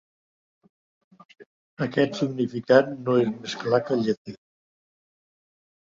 Aquest significat no és més clar que el llatí.